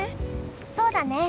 そうだね。